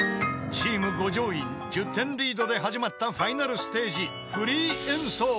［チーム五条院１０点リードで始まったファイナルステージフリー演奏］